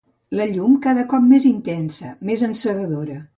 La llum cada cop més intensa, més encegadora.